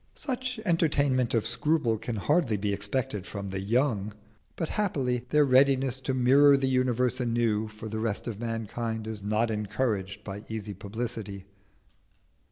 Such entertainment of scruple can hardly be expected from the young; but happily their readiness to mirror the universe anew for the rest of mankind is not encouraged by easy publicity.